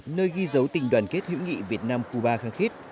nơi ghi dấu tình đoàn kết hữu nghị việt nam cuba kháng khít